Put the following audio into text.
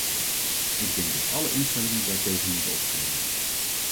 Ik denk dat alle instellingen daartegen moeten optreden.